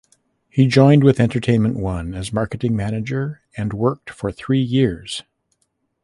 Then he joined with "Entertainment One" as marketing manager and worked for three years.